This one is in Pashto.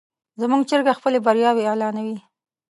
زموږ چرګه خپلې بریاوې اعلانوي.